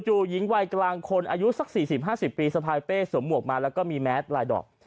หญิงวัยกลางคนอายุสัก๔๐๕๐ปีสะพายเป้สวมหวกมาแล้วก็มีแมสลายดอก